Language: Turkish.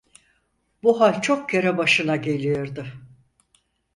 Bu hal çok kere başına geliyordu: